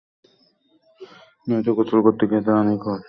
নদীতে গোসল করতে গিয়ে তারা নিখোঁজ হয়েছিল বলে স্থানীয় লোকজনের ভাষ্য।